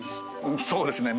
そうですね。